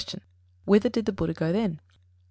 _Whither did the Buddha then go?